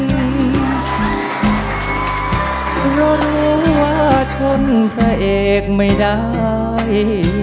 เพราะรู้ว่าชนพระเอกไม่ได้